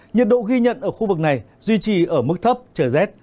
nhiệt độ ghi nhận ở khu vực này duy trì ở mức thấp trời rét